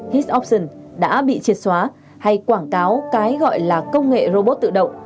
hitoption đã bị triệt xóa hay quảng cáo cái gọi là công nghệ robot tự động